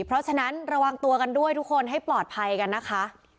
เพราะฉะนั้นระวังตัวกันด้วยทุกคนให้ปลอดภัยกันนะคะ